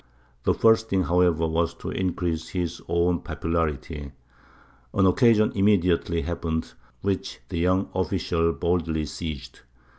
The first thing, however, was to increase his own popularity. An occasion immediately happened, which the young official boldly seized.